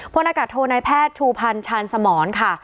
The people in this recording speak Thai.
พนโทนายแพทย์ทูพันชันสมรค่ะ